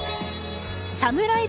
サムライ